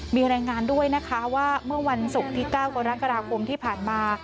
มีรายงานด้วยนะคะว่าเมื่อวันศุกร์ที่๙กรกฎาคมที่ผ่านมา